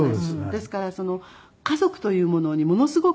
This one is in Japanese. ですから家族というものにものすごく夢を持ってて。